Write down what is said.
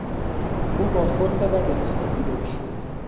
او با خلق بدی از خواب بیدار شد.